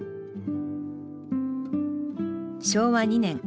昭和２年。